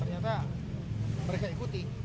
ternyata mereka ikuti